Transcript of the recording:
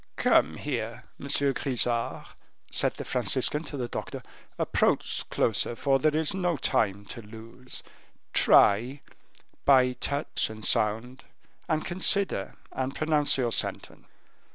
"Come here, Monsieur Grisart," said the Franciscan to the doctor; "approach closer, for there is no time to lose. Try, by touch and sound, and consider and pronounce your sentence."